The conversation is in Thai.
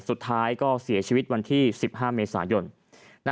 สุดท้ายก็เสียชีวิตวันที่๑๕เมษายน